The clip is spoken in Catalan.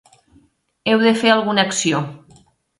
Heu de fer alguna acció.